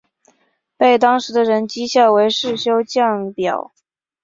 被当时的人讥笑为世修降表。